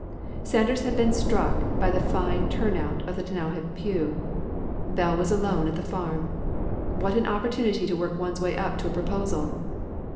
Sanders had been struck by the fine turn out in the T'nowhead pew. Bell was alone at the farm. What an opportunity to work one's way up to a proposal.